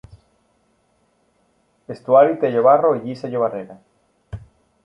'estuari té llobarro i llissa llobarrera.